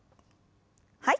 はい。